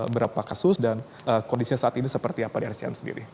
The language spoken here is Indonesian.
berapa kasus dan kondisinya saat ini seperti apa di rcn sendiri